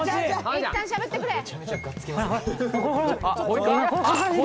・いったんしゃべってくれほいか？